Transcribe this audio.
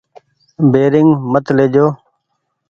بيرينگ مت ليجو ۔